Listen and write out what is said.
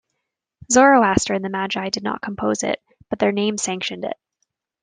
Zoroaster and the magi did not compose it, but their names sanctioned it.